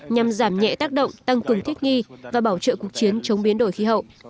nhằm giảm nhẹ tác động tăng cường thích nghi và bảo trợ cuộc chiến chống biến đổi khí hậu